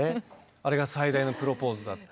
あれが最大のプロポーズだって。